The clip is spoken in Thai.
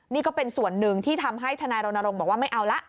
นี่ก็เป็นส่วนหนึ่งที่ทำให้ทนายรณรงค์บอกว่าไม่เอาละ